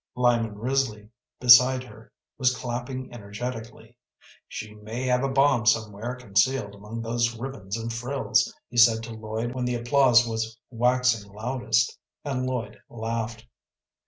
Lyman Risley, beside her, was clapping energetically. "She may have a bomb somewhere concealed among those ribbons and frills," he said to Lloyd when the applause was waxing loudest, and Lloyd laughed.